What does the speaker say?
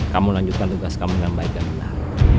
kamu lanjutkan tugas kamu dengan baik dan benar